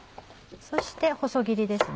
そして細切りです。